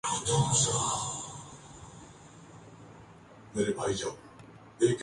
دونوں موقعوں پر انھیں یہ یقین ہو چلا کہ ایڈی نے ہی انھیں پھنسایا اور ان کی مخبری کی ہے۔